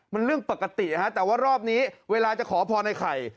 มันเรื่องปกติฮะแต่ว่ารอบนี้เวลาจะขอพรไอ้ไข่